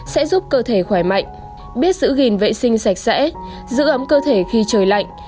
sẽ giúp cơ thể khỏe mạnh biết giữ gìn vệ sinh sạch sẽ giữ ấm cơ thể khi trời lạnh